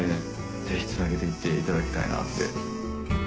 ぜひつなげて行っていただきたいなって。